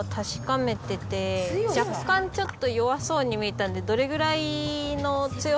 若干ちょっと弱そうに見えたんで。